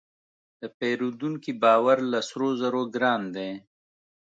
د پیرودونکي باور له سرو زرو ګران دی.